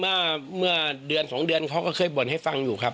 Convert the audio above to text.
เมื่อเดือน๒เดือนเขาก็เคยบ่นให้ฟังอยู่ครับ